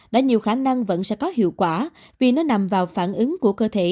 đã nhiều khả năng vẫn sẽ có hiệu quả vì nó nằm vào phản ứng của cơ thể